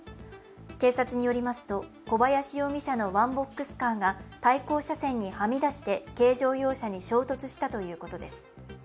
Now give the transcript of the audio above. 警察によりますと、小林容疑者のワンボックスカーが対向車線にはみ出して軽乗用車に衝突したということです。